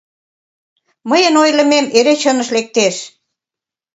Мыйын ойлымем эре чыныш лектеш.